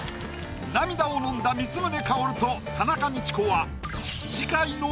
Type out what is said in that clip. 涙をのんだ光宗薫と田中道子は。